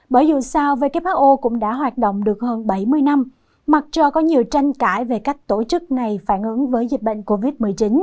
bởi dù sao who cũng đã hoạt động được hơn bảy mươi năm mặc dù có nhiều tranh cãi về cách tổ chức này phản ứng với dịch bệnh covid một mươi chín